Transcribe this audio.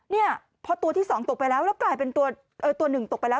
เนี่ยเพราะตัวที่สองตกไปแล้วแล้วกลายเป็นตัวเอ่อตัวหนึ่งตกไปแล้ว